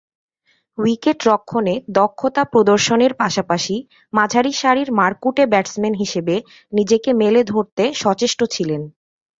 উইকেট-রক্ষণে দক্ষতা প্রদর্শনের পাশাপাশি মাঝারিসারির মারকুটে ব্যাটসম্যান হিসেবে নিজেকে মেলে ধরতে সচেষ্ট ছিলেন।